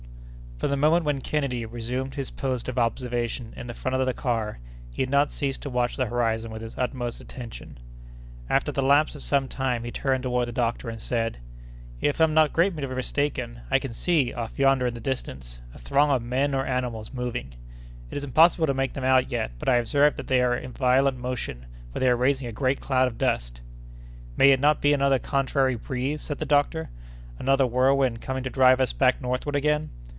From the moment when Kennedy resumed his post of observation in the front of the car, he had not ceased to watch the horizon with his utmost attention. After the lapse of some time he turned toward the doctor and said: "If I am not greatly mistaken I can see, off yonder in the distance, a throng of men or animals moving. It is impossible to make them out yet, but I observe that they are in violent motion, for they are raising a great cloud of dust." "May it not be another contrary breeze?" said the doctor, "another whirlwind coming to drive us back northward again?"